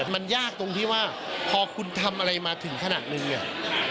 มันยากตรงที่ว่าพอคุณทำอะไรมาถึงขนาดนี้อ่ะ